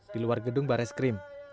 di luar gedung baris krim